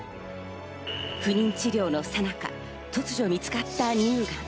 不妊治療の最中、突如見つかった乳がん。